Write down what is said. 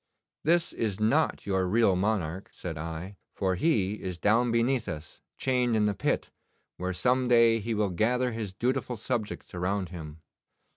"This is not your real monarch," said I, "for he is down beneath us chained in the pit, where some day he will gather his dutiful subjects around him."